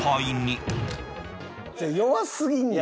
弱すぎんねん。